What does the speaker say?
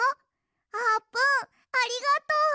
あーぷんありがとう！